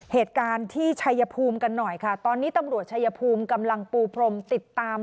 เหตุการณ์ที่ชัยภูมิกันหน่อยค่ะตอนนี้ตำรวจชายภูมิกำลังปูพรมติดตาม